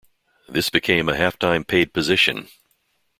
This became a half-time paid position.